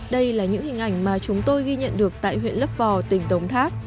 đây là những hình ảnh mà chúng tôi ghi nhận được tại huyện lấp vò tỉnh đống tháp